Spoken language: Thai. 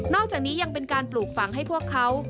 อกจากนี้ยังเป็นการปลูกฝังให้พวกเขา